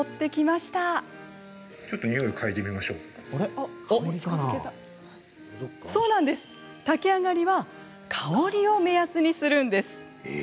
そう、炊き上がりは香りを目安にするんです。